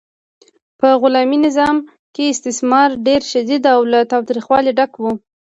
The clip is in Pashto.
په غلامي نظام کې استثمار ډیر شدید او له تاوتریخوالي ډک و.